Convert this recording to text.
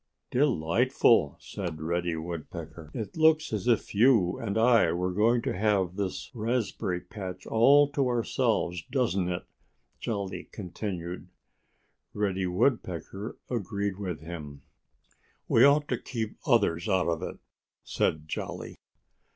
"Delightful!" said Reddy Woodpecker. "It looks as if you and I were going to have this raspberry patch all to ourselves, doesn't it?" Jolly continued. Reddy Woodpecker agreed with him. "We ought to keep others out of it," said Jolly.